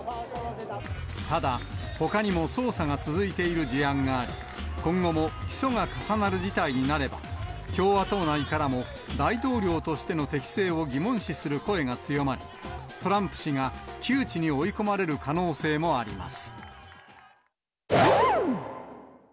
ただ、ほかにも捜査が続いている事案があり、今後も基礎が重なる事態になれば、共和党内からも、大統領としての適性を疑問視する声が強まり、トランプ氏が窮地に追い込まれる可能性もあります。